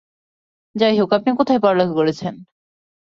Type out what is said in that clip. যাইহোক, আপনি কোথায় পড়ালেখা করেছেন?